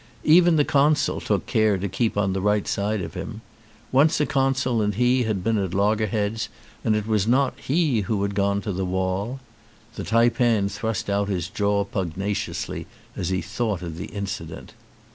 Even the consul took care to keep on the right side of him. Once a consul and he had been at loggerheads and it was not he who had gone to the wall. The taipan thrust out his jaw pugnaciously as he thought of the incident.